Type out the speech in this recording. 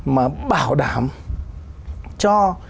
mà bảo đảm cho